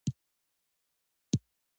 د ازاد ژوند احساس زموږ د ولس له ښېګڼو څخه دی.